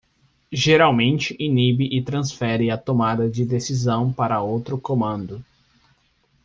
Geralmente inibe e transfere a tomada de decisão para outro comando.